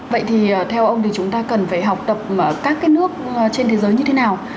vậy thì theo ông thì chúng ta cần phải học tập ở các cái nước trên thế giới như thế nào